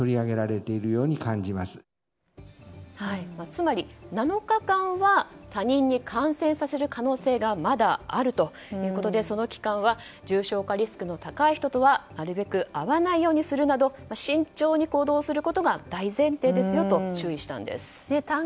つまり７日間は他人に感染させる可能性がまだあるということでその期間は重症化リスクの高い人とはなるべく会わないようにするなど慎重に行動することが大前提ですよと注意したんです。